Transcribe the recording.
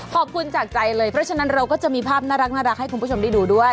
ขอบคุณจากใจเลยเพราะฉะนั้นเราก็จะมีภาพน่ารักให้คุณผู้ชมได้ดูด้วย